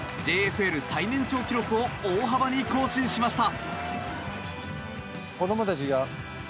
ＪＦＬ最年長記録を大幅に更新しました。